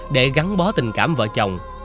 để gắn bó tình cảm vợ chồng